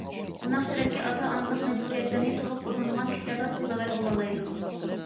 بۇنداق شەرەپكە ئاتا- ئانىلىق مەجبۇرىيەتلىرىنى تولۇق ئورۇندىغان كىشىلەرلا سازاۋەر بولالايدۇ.